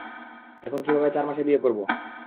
এখন কিভাবে চার মাসে বিয়ে করবো?